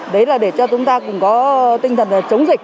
đấy là để cho chúng ta cùng có tinh thần chống dịch